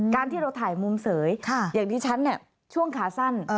การที่เราถ่ายมุมเสยอย่างที่ฉันเนี่ยช่วงขาสั้น